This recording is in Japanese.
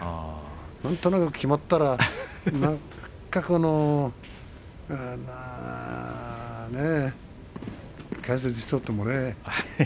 なんとなく決まったら解説していてもね。